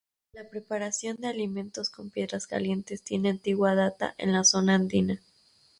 La preparación de alimentos con piedras calientes tiene antigua data en la zona andina.